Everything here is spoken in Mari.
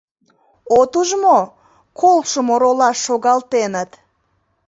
От уж мо — колышым оролаш шогалтеныт.